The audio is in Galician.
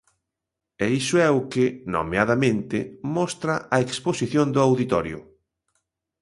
E iso é o que, nomeadamente, mostra a exposición do Auditorio.